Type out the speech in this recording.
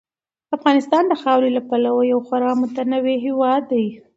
افغانستان د خاورې له پلوه یو خورا متنوع هېواد دی.